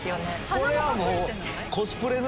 これはもう。